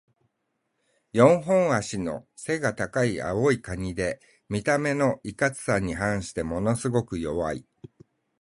四本脚の背が高い青いカニで、見た目のいかつさに反してものすごく弱い。